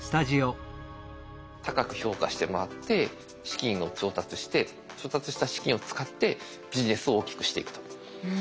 高く評価してもらって資金を調達して調達した資金を使ってビジネスを大きくしていくと。